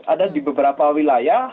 ada di beberapa wilayah